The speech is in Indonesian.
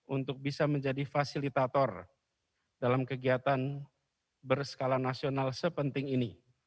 untuk bisa menjadi fasilitator dalam kegiatan berskala nasional sepenting ini